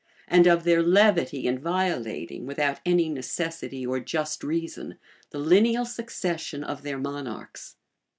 and of their levity in violating, without any necessity or just reason, the lineal succession of their monarchs.